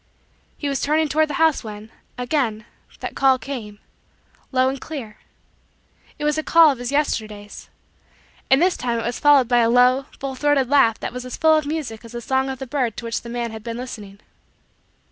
He was turning toward the house when, again, that call came low and clear. It was a call of his Yesterdays. And this time it was followed by a low, full throated laugh that was as full of music as the song of the bird to which the man had been listening.